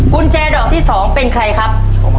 กุญแจดอกที่๒เป็นใครครับ